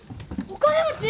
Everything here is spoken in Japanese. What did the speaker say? お金持ち